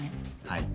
はい。